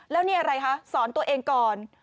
แล้วนี่อะไรคะสอนตัวเองก่อน